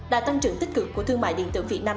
đã tăng trưởng tích cực của thương mại điện tử việt nam